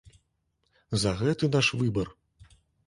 За гэты наш выбар.